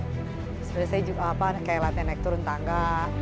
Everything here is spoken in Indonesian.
terus saya juga apa kayak latihan naik turun tangga